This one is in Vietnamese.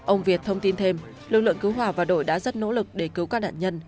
ông việt thông tin thêm lực lượng cứu hỏa và đội đã rất nỗ lực để cứu các nạn nhân